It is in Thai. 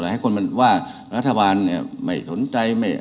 ให้คนว่ารัฐวาลไม่สนใจ